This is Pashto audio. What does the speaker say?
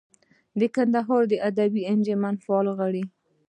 د کندهاري ادبي انجمن فعال غړی.